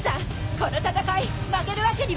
「この戦い負けるわけにはいかない！」